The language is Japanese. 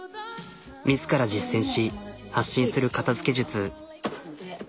自ら実践し発信する片づけ術。